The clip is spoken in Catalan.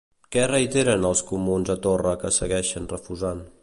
Què reiteren els comuns a Torra que segueixen refusant?